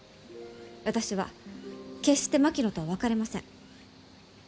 私は決して槙野とは別れません。